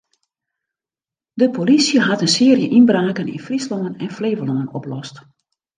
De polysje hat in searje ynbraken yn Fryslân en Flevolân oplost.